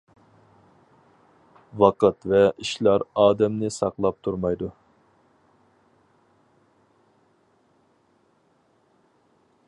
ۋاقىت ۋە ئىشلار ئادەمنى ساقلاپ تۇرمايدۇ.